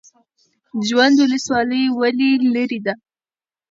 جوند ولسوالۍ ولې لیرې ده؟